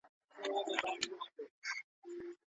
آیا د مخامخ درسونو پایلي له انټرنیټي زده کړو سره ورته دي؟